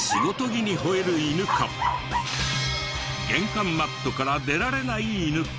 玄関マットから出られない犬か？